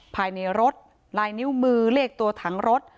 ภายในรถลายนิ้วมือเลขตัวถังรถ